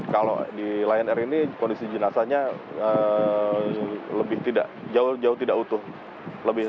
kalau di lion air ini kondisi jenazahnya lebih tidak jauh tidak utuh